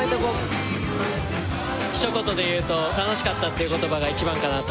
ひと言で言うと楽しかったってことが一番かなと。